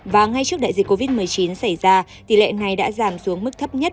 và ngay trước đại dịch covid một mươi chín xảy ra tỷ lệ này đã giảm xuống mức thấp nhất